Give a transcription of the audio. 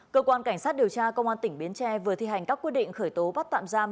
cơ quan cảnh sát điều tra công an tỉnh bến tre vừa thi hành các quyết định khởi tố bắt tạm giam